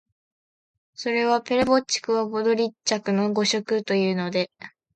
それは「ペレヴォッチクはポドリャッチクの誤植」というので、